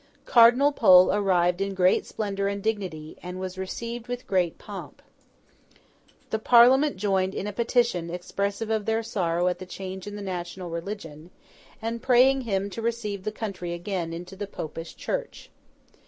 Cardinal Pole arrived in great splendour and dignity, and was received with great pomp. The Parliament joined in a petition expressive of their sorrow at the change in the national religion, and praying him to receive the country again into the Popish Church.